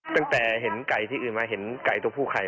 ตั้งแต่เห็นไก่ที่อื่นมาเห็นไก่ตัวผู้ไข่